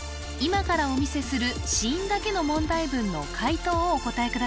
今からお見せする子音だけの問題文の解答をお答え